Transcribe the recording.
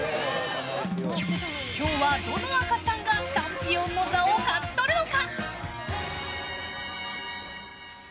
今日はどの赤ちゃんがチャンピオンの座を勝ち取るのか。